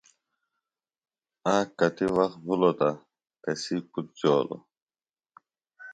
آک کتیۡ وخت بِھلوۡ تہ تسی پُتر جولوۡ